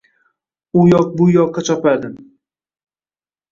U yoq-bu yoqqa chopardim